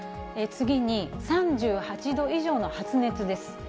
次に、３８度以上の発熱です。